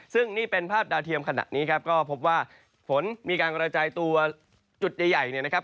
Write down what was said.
ซึ่งนี่เป็นภาพดาวเทียมขณะนี้ครับก็พบว่าฝนมีการกระจายตัวจุดใหญ่เนี่ยนะครับ